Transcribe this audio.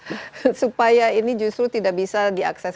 supaya ini justru tidak bisa diakses